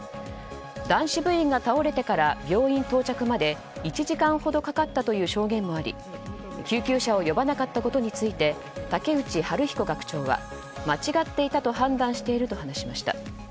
男子部員が倒れてから病院到着まで１時間ほどかかったという証言もあり救急車を呼ばなかったことについて竹内治彦学長は間違っていたと判断していると話しました。